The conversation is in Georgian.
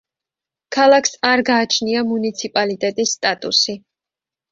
ქალაქს არ გააჩნია მუნიციპალიტეტის სტატუსი.